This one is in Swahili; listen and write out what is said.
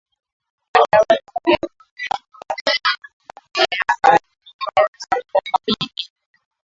wa dawa za kulevya na matibabu ya hali nyinginezo za komobidi